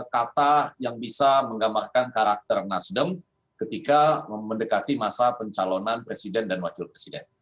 kata yang bisa menggambarkan karakter nasdem ketika mendekati masa pencalonan presiden dan wakil presiden